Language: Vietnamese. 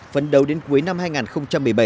phấn đấu đến cuối năm hai nghìn một mươi bảy